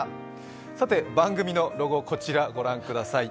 さて、番組のロゴ、こちら御覧ください。